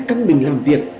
căng đừng làm việc